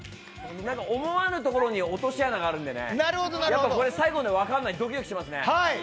思わぬところに落とし穴があるので最後まで分からないどきどきしますね。